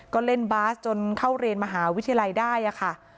ก็เล่นบาสจนเข้าเรียนมหาวิทยาลัยได้ค่ะ